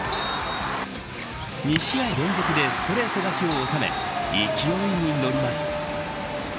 ２試合連続でストレート勝ちを収め勢いに乗ります。